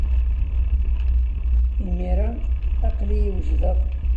Imir-a, aql-iyi wejdeɣ.